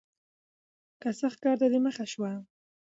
که سخت کار ته دې مخه شوه